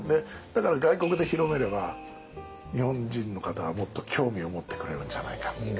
だから外国で広めれば日本人の方はもっと興味を持ってくれるんじゃないか。